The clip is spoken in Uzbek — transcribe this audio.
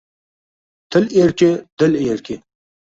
Til erki - dil erki